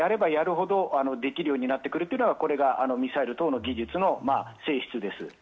やればやるほどできるようになってくるというのは、ミサイル等の技術の性質です。